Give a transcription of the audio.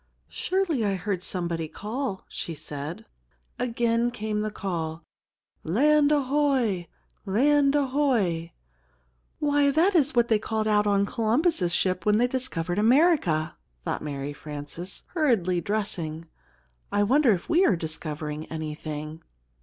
"Surely I heard somebody call," she said. Again came the call, "Land ahoy! Land ahoy!" "Why, that is what they called out on Columbus' ship when they discovered America!" thought Mary Frances, hurriedly dressing. "I wonder if we are discovering anything."